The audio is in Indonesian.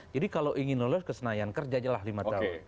jadi kalau ingin lolos kesenayan kerjajalah lima tahun